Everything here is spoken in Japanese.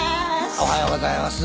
おはようございます。